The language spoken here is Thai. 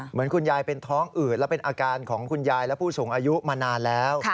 เหมือนคุณยายเป็นท้องอืดและเป็นอาการของคุณยายและผู้สูงอายุมานานแล้ว